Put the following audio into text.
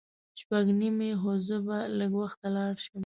شپږ نیمې خو زه به لږ وخته لاړ شم.